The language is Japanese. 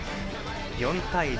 ４対０